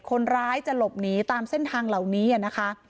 คนร้ายจะหลบหนีตามเส้นทางเหล่านี้นะคะ